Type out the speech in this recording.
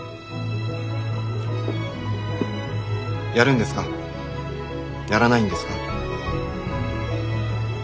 やるんですかやらないんですか。